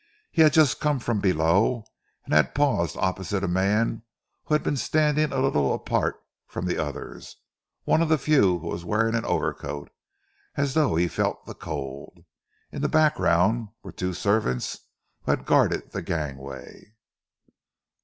He had just come from below, and had paused opposite a man who had been standing a little apart from the others, one of the few who was wearing an overcoat, as though he felt the cold. In the background were the two servants who had guarded the gangway.